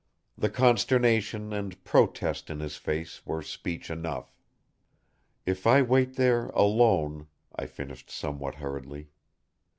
The consternation and protest in his face were speech enough. "If I wait there alone," I finished somewhat hurriedly.